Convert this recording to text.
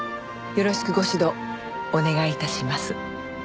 よろしくご指導お願い致します。